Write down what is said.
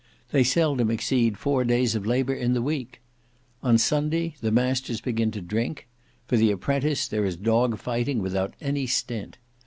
They seldom exceed four days of labour in the week. On Sunday the masters begin to drink; for the apprentices there is dog fighting without any stint.